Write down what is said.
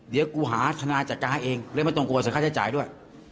เดี๋ยวกูหาธนาจัดการให้เองเลยไม่ต้องกลัวเสียค่าใช้จ่ายด้วย